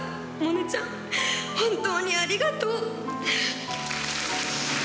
萌音ちゃん、本当にありがとう。